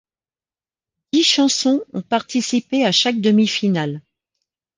Dix chansons ont participé à chaque demi-finale.